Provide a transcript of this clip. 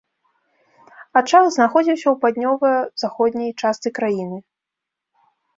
Ачаг знаходзіўся ў паўднёва-заходняй частцы краіны.